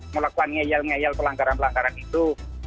melakukan ngeyel ngeyel pelanggaran pelanggaran itu